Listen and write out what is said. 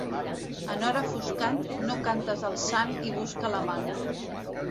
En hora foscant, no cantes al sant i busca l'amant.